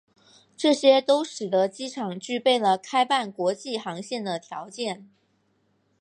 这些都使得机场具备了开办国际航线的条件。